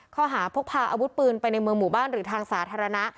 ข้อหาพกพาอาวุธปืนไปในเมืองหมู่บ้านหรือทางสาธารณะ